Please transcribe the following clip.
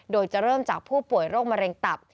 โดยจะเริ่มจากผู้ป่วยโรคมะเร็งตับ